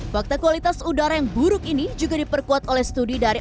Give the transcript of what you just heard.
fakta kualitas udara yang buruk ini juga diperkuat oleh studi dari